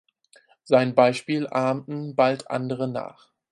Sein Beispiel ahmten bald andere nach.